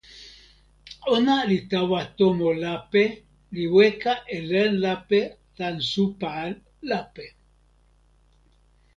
ona li tawa tomo lape, li weka e len lape tan supa lape.